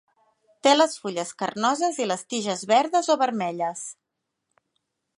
Té les fulles carnoses i les tiges verdes o vermelles.